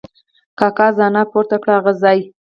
کاکا زنه پورته کړه: هغه ځای!